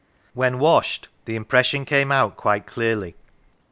When washed, the impression came out quite clearly.